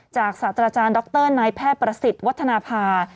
ศาสตราจารย์ดรนายแพทย์ประสิทธิ์วัฒนภา